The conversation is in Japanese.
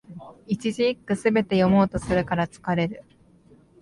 一字一句、すべて読もうとするから疲れる